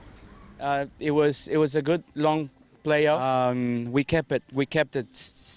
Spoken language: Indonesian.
menurut saya dia adalah pemain yang bagus